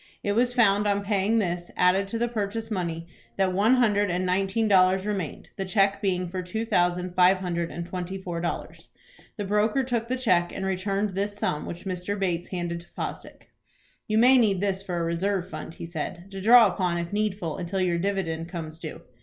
It was found on paying this, added to the purchase money, that one hundred and nineteen dollars remained, the cheque being for two thousand five hundred and twenty four dollars. The broker took the cheque, and returned this sum, which Mr. Bates handed to Fosdick. "You may need this for a reserve fund," he said, "to draw upon if needful until your dividend comes due.